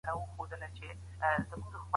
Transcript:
خلګ ولي ولسي جرګې ته اړتیا لري؟